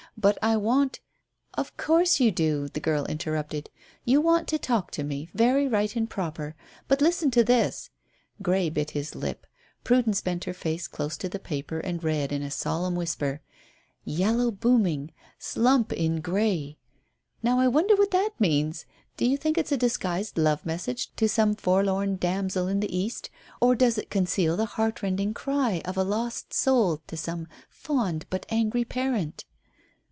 "But I want " "Of course you do," the girl interrupted. "You want to talk to me very right and proper. But listen to this." Grey bit his lip. Prudence bent her face close to the paper and read in a solemn whisper "'Yellow booming slump in Grey'! Now I wonder what that means? Do you think it's a disguised love message to some forlorn damsel in the east, or does it conceal the heartrending cry of a lost soul to some fond but angry parent?"